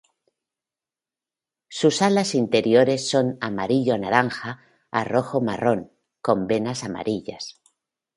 Sus alas interiores son amarillo-naranja a rojo-marrón, con venas amarillas.